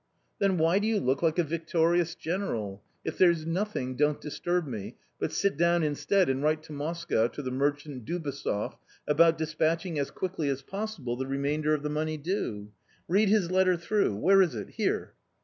" Then, why do you look like a victorious general ? If there's nothing, don't disturb me, but sit down instead and write to Moscow to the Merchant Doubasoff, about despatch ing as quickly as possible the remainder of the money due. Read his letter through. Where is it? Here."